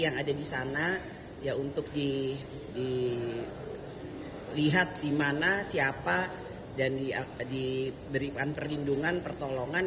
yang ada di sana ya untuk dilihat di mana siapa dan diberikan perlindungan pertolongan